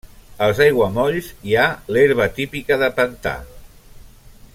Als aiguamolls hi ha l'herba típica de pantà.